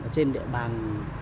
trên địa bàn